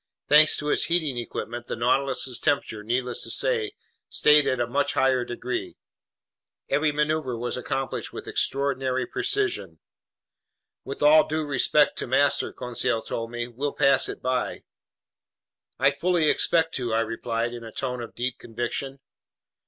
Thanks to its heating equipment, the Nautilus's temperature, needless to say, stayed at a much higher degree. Every maneuver was accomplished with extraordinary precision. "With all due respect to master," Conseil told me, "we'll pass it by." "I fully expect to!" I replied in a tone of deep conviction.